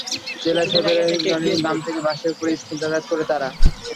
জেলা সদরের বালিয়াডাঙ্গা গ্রাম থেকে বাসে করে স্কুলে যাতায়াত করে তারা।